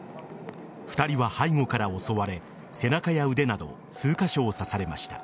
２人は背後から襲われ背中や腕など数カ所を刺されました。